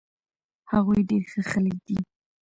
هغوي ډير ښه خلک دي